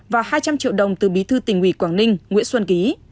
và hai trăm linh triệu đồng từ bí thư tỉnh ủy quảng ninh nguyễn xuân ký